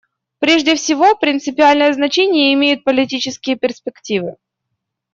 Прежде всего принципиальное значение имеют политические перспективы.